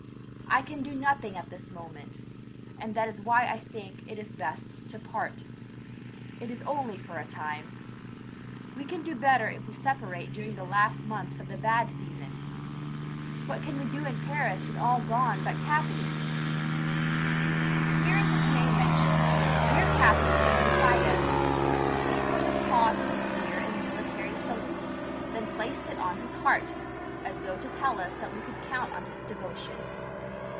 I can do nothing at this moment, and that is why I think it is best to part. It is only for a time. We can do better if we separate during the last months of the bad season. What can we do in Paris with all gone but Capi?" Hearing his name mentioned, dear Capi came beside us: he put his paw to his ear in military salute, then placed it on his heart, as though to tell us that we could count on his devotion.